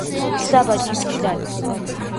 საბა ჯიმში დადის